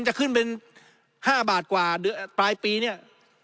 จะขึ้นเป็น๕บาทกว่าปลายปีเนี่ย